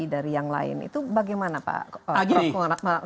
dari yang lain itu bagaimana pak